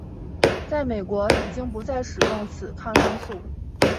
在美国已经不再使用此抗生素。